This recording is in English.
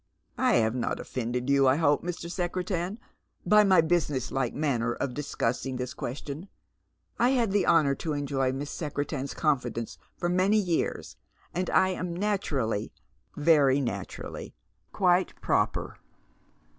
"I have not offended you, I hope, Mr. Secretan. by mv busi ness like manner of discussing this qne.^tion. I had the honour to enjoy Miss Secretan's conifidence for many years, »nd I am naturally " 150 Dead MerCs Shoet. " Very naturally — quite proper.